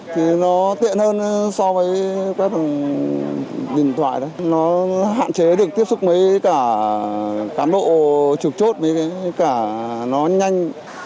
thì nó tiện hơn so với quét bằng điện thoại đấy nó hạn chế được tiếp xúc với cả cán bộ trục chốt với cả nó nhanh